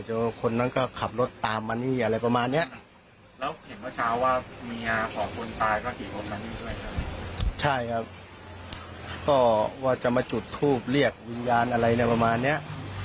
ชุดธูปเหลือวิญญาณอะไรนะประมาณเนี้ย